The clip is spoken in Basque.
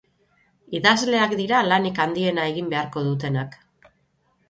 Idazleak dira lanik handiena egin beharko dutenak.